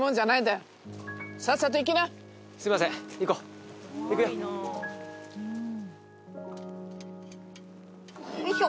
よいしょ。